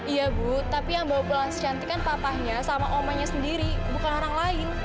iya bu tapi yang bawa pulang cantik kan papahnya sama omannya sendiri bukan orang lain